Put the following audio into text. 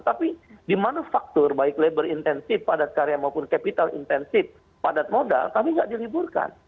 tapi di manufaktur baik labor intensif padat karya maupun capital intensif padat modal kami tidak diliburkan